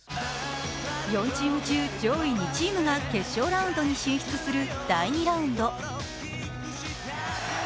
４チーム中上位２チームが決勝ラウンドに進出する第２ラウンド。